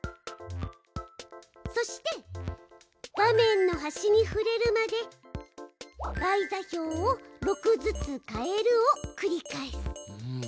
そして画面の端に触れるまで「Ｙ座標を６ずつ変える」を繰り返す。